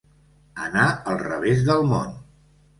Anar al revés del món.